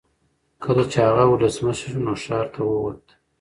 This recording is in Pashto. کله چې هغه ولسمشر شو نو ښار ته وووت.